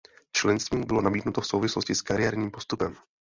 Členství mu bylo nabídnuto v souvislosti s kariérním postupem.